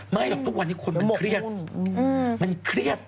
หรอกทุกวันนี้คนมันเครียดมันเครียด